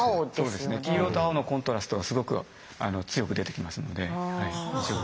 黄色と青のコントラストがすごくあの強く出てきますのではい。